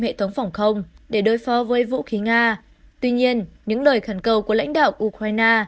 hệ thống phòng không để đối phó với vũ khí nga tuy nhiên những lời khẩn cầu của lãnh đạo ukraine